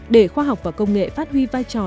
để khoa học và công nghệ phát huy vai trò